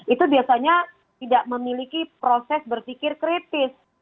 itu biasanya tidak memiliki proses berpikir kritis